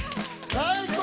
最高！